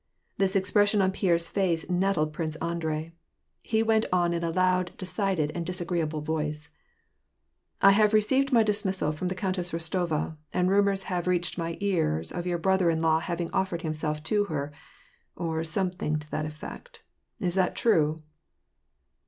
This expression on Pierre's face nettled Prince Andrei. He went on in a loud, decided, and disagreeable voice, — "I have received my dismissal from the Countess Rostova; and rumors have I'eached my ears of your brother in law having offered himself to her, or something to that effect, — is that true